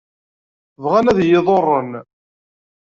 Bɣan ad iyi-ḍurren.